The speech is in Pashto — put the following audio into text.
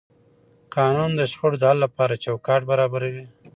قانون د شخړو د حل لپاره چوکاټ برابروي.